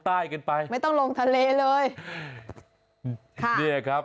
ดันโอ๊ยโอ๊ยโอ๊ย